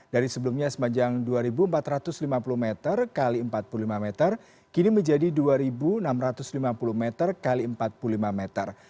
dari sebelumnya sepanjang dua empat ratus lima puluh meter x empat puluh lima meter kini menjadi dua enam ratus lima puluh meter x empat puluh lima meter